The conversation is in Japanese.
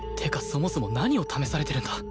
そもそも何を試されてるんだ？